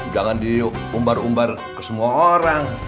jangan diumbar umbar ke semua orang